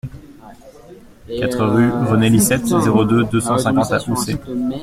quatre rue René Licette, zéro deux, deux cent cinquante à Housset